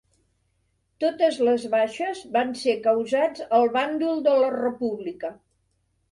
Totes les baixes van ser causats al bàndol de la República.